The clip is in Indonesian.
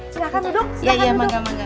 silahkan duduk ya ya maga maga